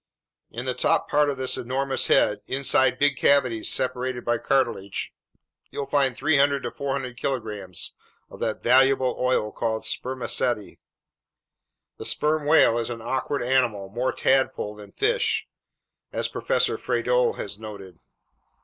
In the top part of this enormous head, inside big cavities separated by cartilage, you'll find 300 to 400 kilograms of that valuable oil called "spermaceti." The sperm whale is an awkward animal, more tadpole than fish, as Professor Frédol has noted.